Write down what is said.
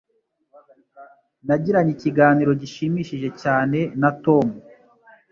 Nagiranye ikiganiro gishimishije cyane na Tom.